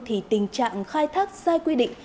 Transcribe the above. thì tình trạng khai thác sai quy định